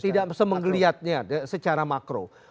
tidak semenggeliatnya secara makro